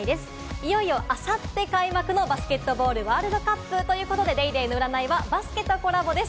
いよいよあさって開幕のバスケットボールワールドカップということで『ＤａｙＤａｙ．』の占いはバスケとコラボです。